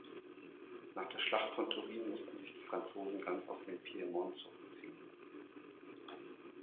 Nach der Schlacht von Turin mussten sich die Franzosen ganz aus dem Piemont zurückziehen.